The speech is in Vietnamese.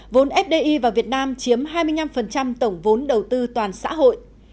vốn fdi vào việt nam chiếm hai mươi năm tổng vốn đầu tư toàn xã hội